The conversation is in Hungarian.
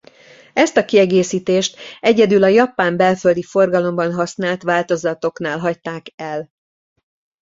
Ezt a kiegészítést egyedül a japán belföldi forgalomban használt változatoknál hagyták el.